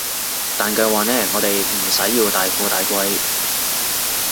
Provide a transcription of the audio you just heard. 但計我話呢，我哋唔使要大富大貴